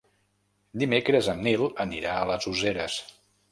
Dimecres en Nil anirà a les Useres.